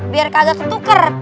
biar kagak ketuker